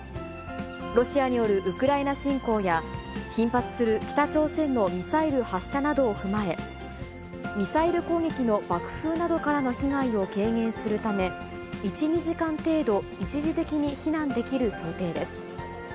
ロシアによるウクライナ侵攻や、頻発する北朝鮮のミサイル発射などを踏まえ、ミサイル攻撃の爆風などからの被害を軽減するため、１、２時間程度、一時的に避難できる想定です。